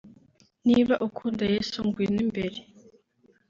niba ukunda Yesu ngwino imbere